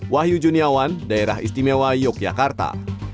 wahyu juniawan daerah istimewa yogyakarta